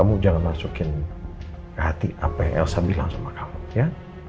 al kamu jangan masukin ke hati apa yang elsa bilang sama kamu ya